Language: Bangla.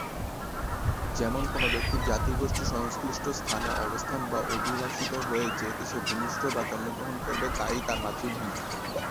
যেমন: কোন ব্যক্তির জাতিগোষ্ঠী সংশ্লিষ্ট স্থানে অবস্থান বা অভিবাসিত হয়ে যে দেশে ভূমিষ্ঠ বা জন্মগ্রহণ করবে, তা-ই তার মাতৃভূমি।